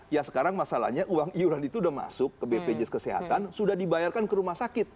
ya sekarang masalahnya uang iuran itu sudah masuk ke bpjs kesehatan sudah dibayarkan ke rumah sakit